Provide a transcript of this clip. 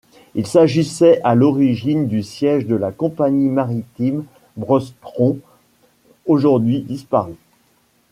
Il s'agissait à l'origine du siège de la compagnie maritime Broström, aujourd'hui disparue.